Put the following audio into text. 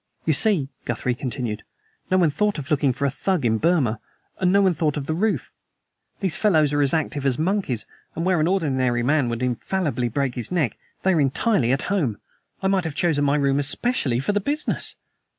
"You see," Guthrie continued, "no one thought of looking for a Thug in Burma! And no one thought of the ROOF! These fellows are as active as monkeys, and where an ordinary man would infallibly break his neck, they are entirely at home. I might have chosen my room especially for the business!"